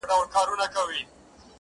هم یې بوی هم یې لوګی پر ځان منلی -